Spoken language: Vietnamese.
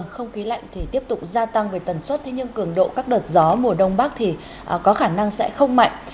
không khí lạnh tiếp tục gia tăng về tần suất nhưng cường độ các đợt gió mùa đông bắc có khả năng không mạnh